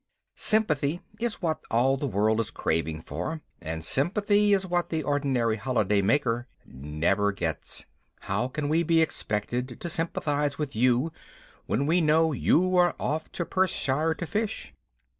Sympathy is what all the world is craving for, and sympathy is what the ordinary holiday maker never gets. How can we be expected to sympathize with you when we know you are off to Perthshire to fish?